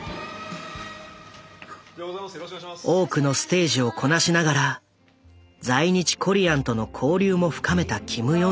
多くのステージをこなしながら在日コリアンとの交流も深めたキム・ヨンジャ。